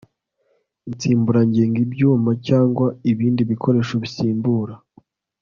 insimburangingo ibyuma cyangwa ibindi bikoresho bisimbura